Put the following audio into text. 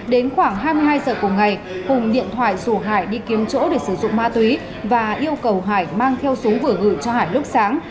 đến khoảng hai mươi hai giờ cùng ngày hùng điện thoại rủ hải đi kiếm chỗ để sử dụng ma túy và yêu cầu hải mang theo súng vừa gửi cho hải lúc sáng